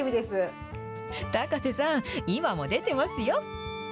高瀬さん、今も出てますよ。